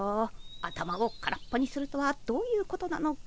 頭を空っぽにするとはどういうことなのか。